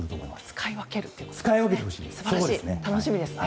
使い分けるということですね。